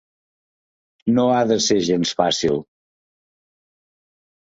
No ha de ser gens fàcil.